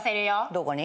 どこに？